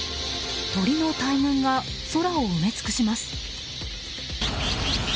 鳥の大群が空を埋め尽くします。